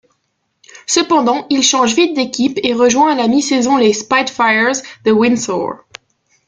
Cependant, il change vite d'équipe et rejoint à la mi-saison les Spitfires de Windsor.